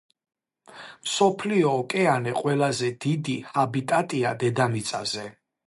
მსოფლიო იკეანე ყველაზე დიდი ჰიბიტატია დედამიწაზე